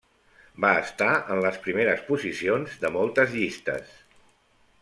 Va estar en les primeres posicions de moltes llistes.